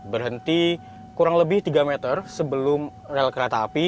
berhenti kurang lebih tiga meter sebelum rel kereta api